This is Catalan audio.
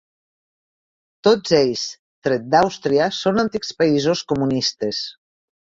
Tots ells, tret d'Àustria, són antics països comunistes.